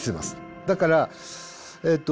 だからえっと